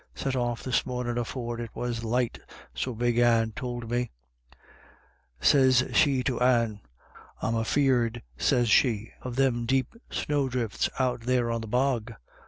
Set off this mornin' afore it was light, so Big Anne tould me. Sez she to Anne: ' I'm afeard,' sez she, c of them deep snow dhrifts out there on the bog.'